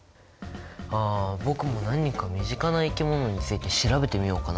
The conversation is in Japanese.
あ僕も何か身近な生き物について調べてみようかな？